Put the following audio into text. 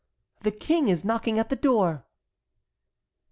"The King is knocking at the door."